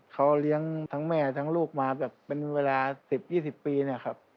เขาเลี้ยงทั้งแม่ทั้งลูกมาแบบเป็นเวลา๑๐๒๐ปีนะครับ